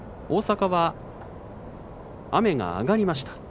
大阪は雨が上がりました。